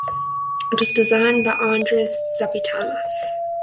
It was designed by Andreas Zapatinas.